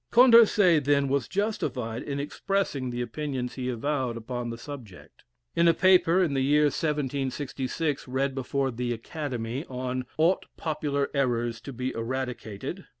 Condorcet, then, was justified in expressing the opinions he avowed upon the subject. In a paper, in the year 1766, read before the "Academy," on "Ought Popular Errors to be Eradicated!"